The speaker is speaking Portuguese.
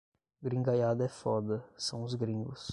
Gringaiada é foda, são os gringos